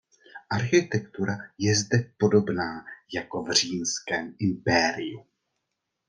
Architektura je zde podobná jako v Římském impériu.